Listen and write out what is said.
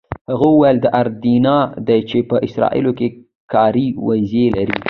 هغه وویل دا اردنیان دي چې په اسرائیلو کې کاري ویزې لري.